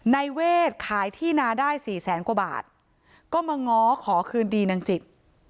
ในเวทขายที่นาได้สี่แสนกว่าบาทก็มาง้อขอคืนดีนางจิต